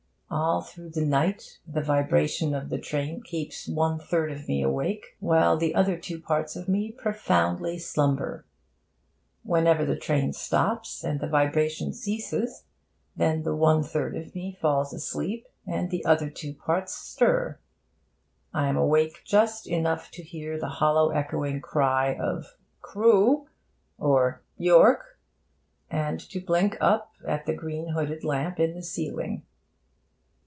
All through the night the vibration of the train keeps one third of me awake, while the other two parts of me profoundly slumber. Whenever the train stops, and the vibration ceases, then the one third of me falls asleep, and the other two parts stir. I am awake just enough to hear the hollow echoing cry of 'Crewe' or 'York,' and to blink up at the green hooded lamp in the ceiling.